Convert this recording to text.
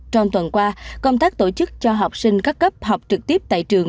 trong tuần qua công tác tổ chức cho học sinh các cấp học trực tiếp tại trường